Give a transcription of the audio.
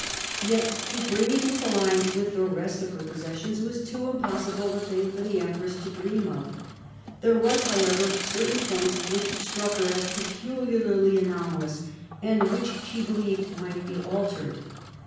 Yet to bring it into line with the rest of her possessions was too impossible a thing for the empress to dream of. There were, however, certain points which struck her as peculiarly anomalous, and which she believed might be altered.